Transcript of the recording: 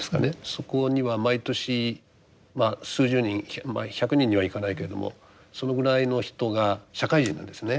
そこには毎年数十人１００人にはいかないけれどもそのぐらいの人が社会人なんですね